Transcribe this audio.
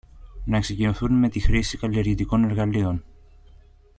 να εξοικειωθούν με τη χρήση καλλιεργητικών εργαλείων